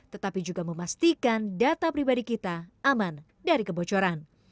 tetapi juga memastikan data pribadi kita aman dari kebocoran